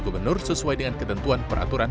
gubernur sesuai dengan ketentuan peraturan